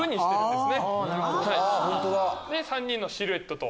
で３人のシルエットと。